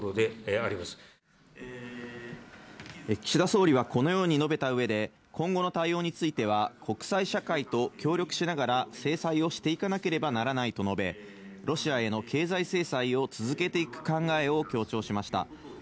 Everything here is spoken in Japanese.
岸田総理はこのように述べた上で今後の対応については国際社会と協力しながら制裁をしていかなければならないと述べ、ロシアへの経済制裁を続けていく考えを強調しました。